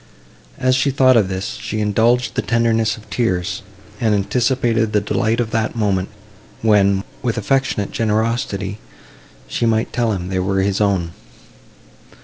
As she thought of this, she indulged the tenderness of tears, and anticipated the delight of that moment, when, with affectionate generosity, she might tell him they were his own.